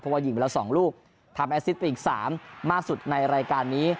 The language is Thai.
เพราะว่ายิงไปแล้ว๒ลูกทำแอสซิตไปอีก๓มากสุดในรายการนี้